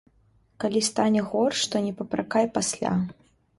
Калі стане горш, то не папракай пасля.